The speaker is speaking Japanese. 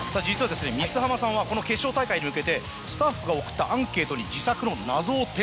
実は三ツ浜さんはこの決勝大会に向けてスタッフが送ったアンケートに。